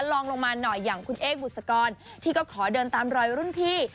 ลองลงมาหน่อยอย่างคุณเอกบุษกรที่ก็ขอเดินตามรอยรุ่นพี่